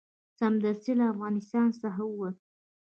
سمدستي له افغانستان څخه ووت.